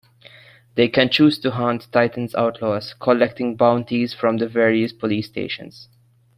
They can choose to hunt Titan's outlaws, collecting bounties from the various police stations.